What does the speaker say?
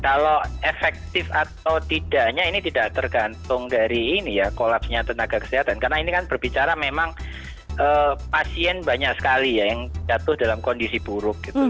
kalau efektif atau tidaknya ini tidak tergantung dari ini ya kolapsnya tenaga kesehatan karena ini kan berbicara memang pasien banyak sekali ya yang jatuh dalam kondisi buruk gitu